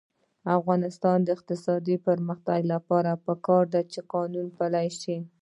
د افغانستان د اقتصادي پرمختګ لپاره پکار ده چې قانون پلی شي.